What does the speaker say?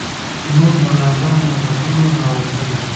نور بلاګان له قبرونو راوتل.